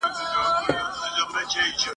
هغه وخت چي دی د مرګ په رنځ رنځور سو !.